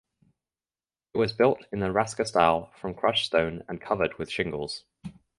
It was built in the Raska style from crushed stone and covered with shingles.